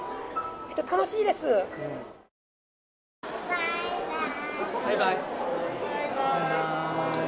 バイバーイ。